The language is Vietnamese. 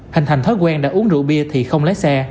hành thành thói quen đã uống rượu bia thì không lấy xe